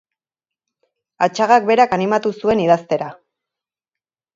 Atxagak berak animatu zuen idaztera.